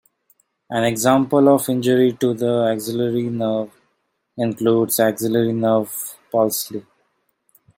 An example of injury to the axillary nerve includes axillary nerve palsy.